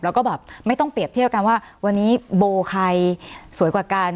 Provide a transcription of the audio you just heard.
แล้วก็แบบไม่ต้องเปรียบเทียบกันว่าวันนี้โบใครสวยกว่ากัน